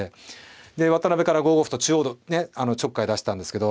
で渡辺から５五歩と中央にねちょっかい出したんですけど。